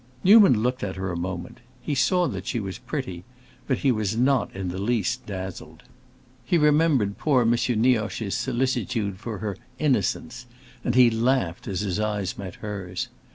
Newman looked at her a moment; he saw that she was pretty, but he was not in the least dazzled. He remembered poor M. Nioche's solicitude for her "innocence," and he laughed as his eyes met hers.